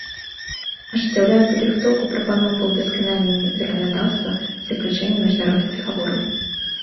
Ажыццяўляе падрыхтоўку прапаноў па ўдасканаленнi заканадаўства i заключэннi мiжнародных дагавораў.